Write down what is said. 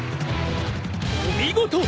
お見事！